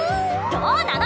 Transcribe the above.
どうなの？